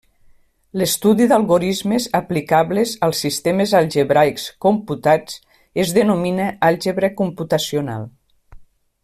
L'estudi d'algorismes aplicables als sistemes algebraics computats es denomina àlgebra computacional.